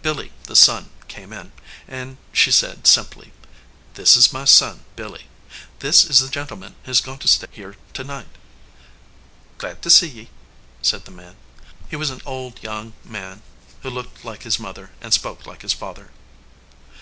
Billy, the son, came in, and she said, simply, "This is my son ; Billy, this is the gentleman who is goin to stay here to night." "Glad to see ye," said the man. He was an old young man who looked like his mother and spoke like his father.